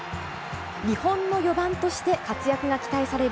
日本の４番として活躍が期待される